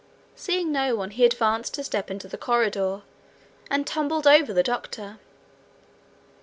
Seeing no one, he advanced to step into the corridor, and tumbled over the doctor.